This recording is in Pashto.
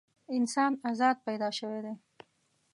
انسان ازاد پیدا شوی دی.